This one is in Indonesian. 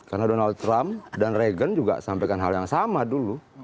karena donald trump dan reagan juga sampaikan hal yang sama dulu